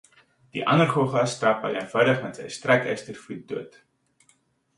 Die ander Goggas trap hy eenvoudig met sy strykystervoet dood.